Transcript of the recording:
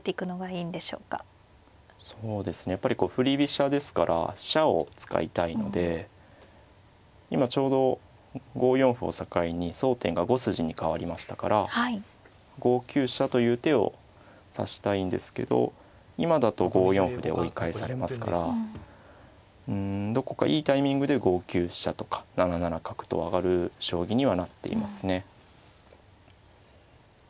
やっぱりこう振り飛車ですから飛車を使いたいので今ちょうど５四歩を境に争点が５筋に変わりましたから５九飛車という手を指したいんですけど今だと５四歩で追い返されますからうんどこかいいタイミングで５九飛車とか７七角と上がる将棋にはなっていますね。